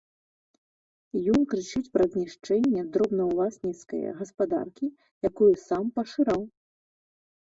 Ён крычыць пра знішчэнне дробнаўласніцкае гаспадаркі, якую сам пашыраў!